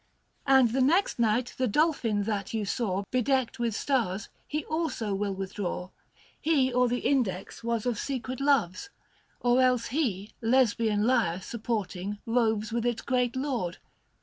And the next night the Dolphin that you saw, Bedecked with stars, he also will withdraw. He or the index was of secret loves, Or else he, Lesbian Lyre supporting, roves With its great Lord.